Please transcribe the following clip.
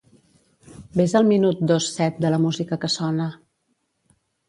Ves al minut dos set de la música que sona.